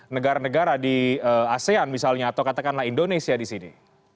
negara negara di asean misalnya atau katakanlah indonesia di sini